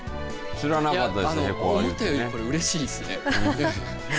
思ったよりうれしいです。